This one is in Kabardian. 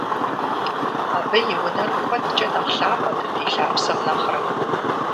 Абы и унэр куэдкӀэ нэхъ лъапӀэт ди лъапсэм нэхърэ.